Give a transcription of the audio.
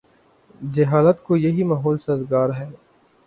جہالت کو یہی ماحول سازگار ہے۔